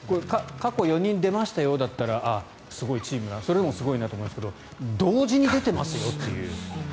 過去４人出ましたよだったらあ、すごいチームだなとそれでもすごいなと思いますけど同時に出ていますよと。